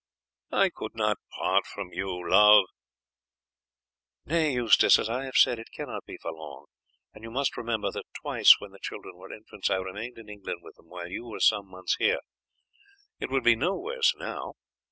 "I could not part from you, love." "Nay, Eustace, as I have said, it cannot be for long; and you must remember that twice when the children were infants I remained in England with them while you were some months here. It would be no worse now.